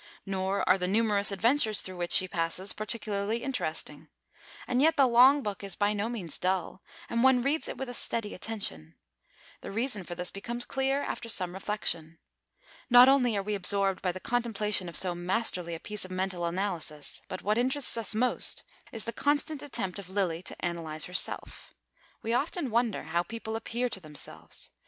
Nor are the numerous adventures through which she passes particularly interesting. And yet the long book is by no means dull, and one reads it with steady attention. The reason for this becomes clear, after some reflexion. Not only are we absorbed by the contemplation of so masterly a piece of mental analysis, but what interests us most is the constant attempt of Lilly to analyse herself. We often wonder how people appear to themselves.